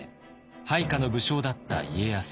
配下の武将だった家康。